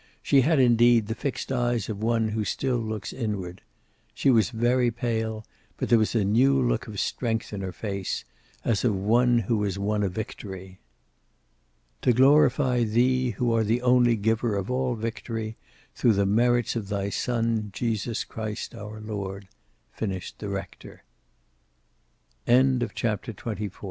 She had, indeed, the fixed eyes of one who still looks inward. She was very pale, but there was a new look of strength in her face, as of one who has won a victory. "To glorify Thee, who are the only giver of all victory, through the merits of thy Son, Jesus Christ our Lord," finished the rector. CHAPTER XXV On the last da